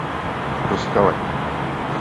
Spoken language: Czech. Do skalek.